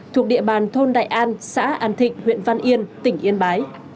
thuộc địa bàn thôn đại an xã an thịnh huyện văn yên tỉnh yên bái